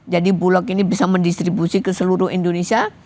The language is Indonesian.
jadi bulog ini bisa mendistribusi ke seluruh indonesia